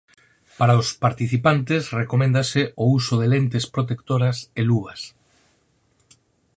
Para os participantes recoméndase o uso de lentes protectoras e luvas.